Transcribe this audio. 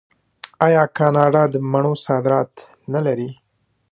آیا کاناډا د مڼو صادرات نلري؟